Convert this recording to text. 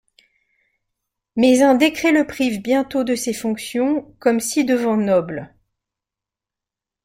Mais un décret le prive bientôt de ces fonctions, comme ci devant noble.